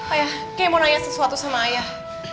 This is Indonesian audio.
ayah kayak mau nanya sesuatu sama ayah